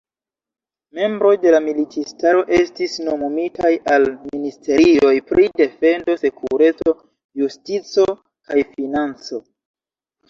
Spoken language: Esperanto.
Membroj de la militistaro estis nomumitaj al ministerioj pri defendo, sekureco, justico kaj financo.